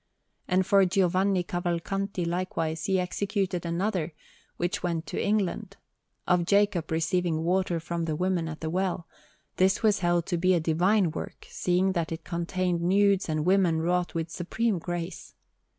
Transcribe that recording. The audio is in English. And for Giovanni Cavalcanti, likewise, he executed another, which went to England, of Jacob receiving water from the women at the well; this was held to be a divine work, seeing that it contained nudes and women wrought with supreme grace.